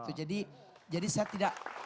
itu jadi saya tidak